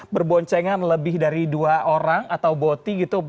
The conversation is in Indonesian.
berboncengan lebih dari dua orang atau boti gitu